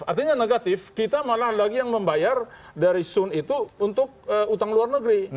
artinya negatif kita malah lagi yang membayar dari sun itu untuk utang luar negeri